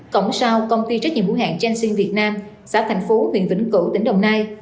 cổng sau công ty trách nhiệm mua hàng janssen việt nam xã thành phố nguyễn vĩnh cửu tỉnh đồng nai